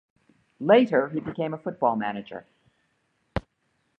Later he became a football manager.